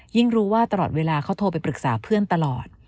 รู้ว่าตลอดเวลาเขาโทรไปปรึกษาเพื่อนตลอด